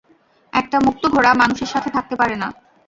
একটা মুক্ত ঘোড়া মানুষের সাথে থাকতে পারে না।